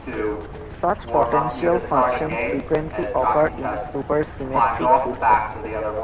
Such potential functions frequently occur in supersymmetric systems.